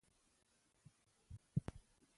سم پلان کول د وخت ضایع کېدل کموي